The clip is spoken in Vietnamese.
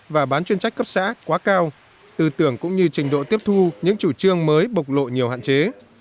và bán chuyên trách cấp xã quá cao tư tưởng cũng như trình độ tiếp thu những chủ trương mới bộc lộ nhiều hạn chế